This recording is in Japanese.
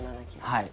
はい。